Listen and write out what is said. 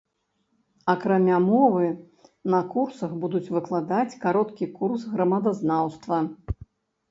Акрамя мовы, на курсах будуць выкладаць кароткі курс грамадазнаўства.